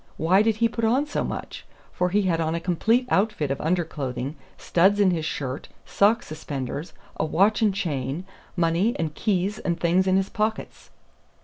Why did he put on so much? for he had on a complete out fit of underclothing, studs in his shirt, sock suspenders, a watch and chain, money and keys and things in his pockets.'